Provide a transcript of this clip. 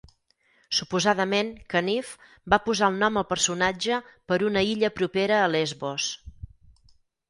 Suposadament, Caniff va posar el nom al personatge per una illa propera a Lesbos.